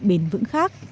bền vững khác